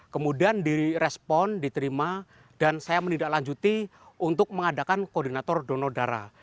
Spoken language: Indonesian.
kemudian direspon diterima dan saya menindaklanjuti untuk mengadakan koordinator donor darah